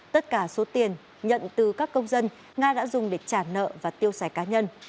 tất cả số tiền nhận từ các công dân nga đã dùng để trả nợ và tiêu xài cá nhân